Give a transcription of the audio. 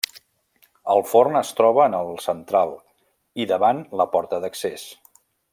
El forn es troba en el central i davant la porta d'accés.